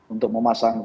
untuk memasang dppkb